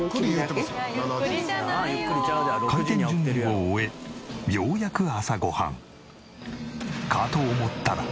開店準備を終えようやく朝ご飯。かと思ったら！